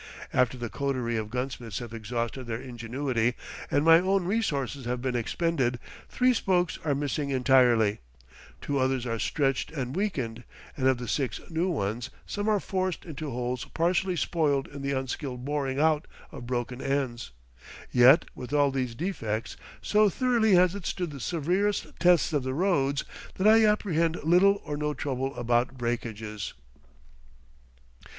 After the coterie of gunsmiths have exhausted their ingenuity and my own resources have been expended, three spokes are missing entirely, two others are stretched and weakened, and of the six new ones some are forced into holes partially spoiled in the unskillful boring out of broken ends. Yet, with all these defects, so thoroughly has it stood the severest tests of the roads, that I apprehend little or no trouble about breakages.